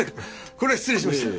これは失礼しました。